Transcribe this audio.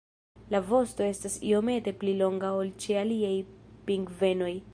La vosto estas iomete pli longa ol ĉe aliaj pingvenoj.